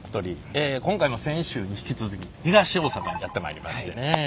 今回も先週に引き続き東大阪にやって参りましてね。